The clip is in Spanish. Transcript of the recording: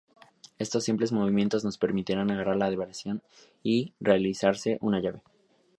Estos simples movimientos nos permitirá agarrar al adversario y realizarle una llave.